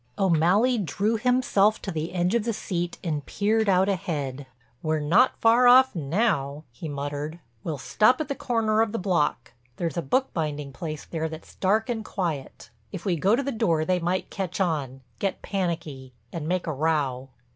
O'Malley drew himself to the edge of the sea and peered out ahead. "We're not far off now," he muttered. "We'll stop at the corner of the block—there's a bookbinding place there that's dark and quiet. If we go to the door they might catch on, get panicky, and make a row."